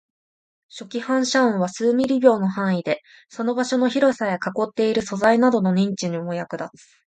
初期反射音は数ミリ秒の範囲で、その場所の広さや囲っている素材などの認知にも役立つ